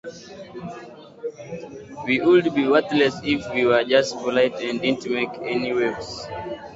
We would be worthless if we were just polite and didn't make any waves.